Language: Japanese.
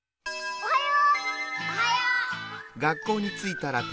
おはよう。